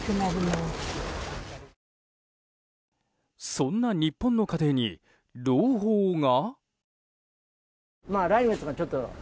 そんな日本の家庭に朗報が？